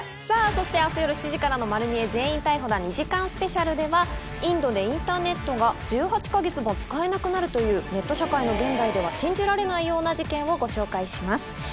さぁそして明日夜７時からの『まる見え！』全員逮捕だ２時間ＳＰではインドでインターネットが１８か月も使えなくなるというネット社会の現代では信じられないような事件をご紹介します。